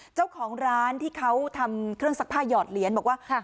เจ้าของร้านที่เขาทำเครื่องซักผ้าหยอดเหรียญบอกว่า